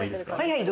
はい